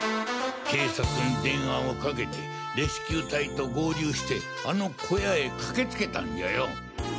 警察に電話をかけてレスキュー隊と合流してあの小屋へ駆けつけたんじゃよ。